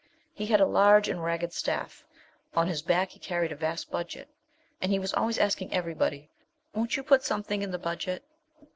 He had a large and ragged staff; on his back he carried a vast Budget, and he was always asking everybody, 'Won't you put something in the Budget?'